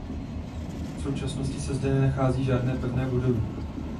V současnosti se zde nenacházejí žádné pevné budovy.